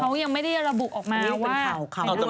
เท่าก็ไม่ได้ระบุออกมา